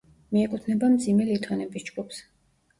მიეკუთვნება მძიმე ლითონების ჯგუფს.